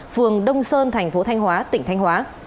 phường đông sơn thành phố thanh hóa tỉnh thanh hóa